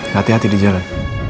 hati hati di jalan